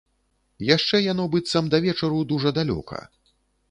Яшчэ яно быццам да вечару дужа далёка.